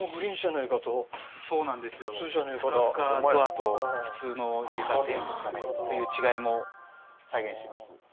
ふかふかとあと普通の床っていうんですかね？っていう違いも再現してます。